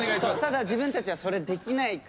ただ自分たちはそれできないから。